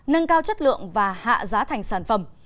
nâng cao chất lượng và hạ giá thành sản phẩm